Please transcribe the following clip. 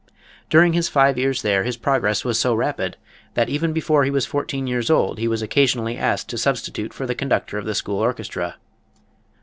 During his five years there his progress was so rapid that even before he was fourteen years old he was occasionally asked to substitute for the conductor of the school orchestra.